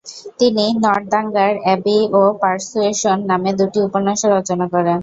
তিনি Northanger Abbey ও Persuasion নামে দুটি উপন্যাসও রচনা করেন।